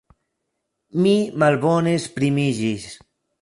Mi malbone esprimiĝis!